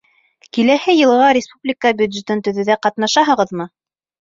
— Киләһе йылға республика бюджетын төҙөүҙә ҡатнашаһығыҙмы?